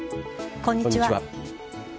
こんにちは。